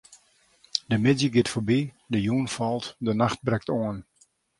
De middei giet foarby, de jûn falt, de nacht brekt oan.